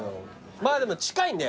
まぁでも近いんだよ。